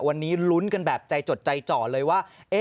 วันนี้ลุ้นกันแบบใจจดใจจ่อเลยว่า